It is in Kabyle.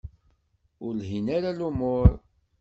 Ur lhin ara lumuṛ.